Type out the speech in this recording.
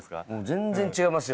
全然違いますよ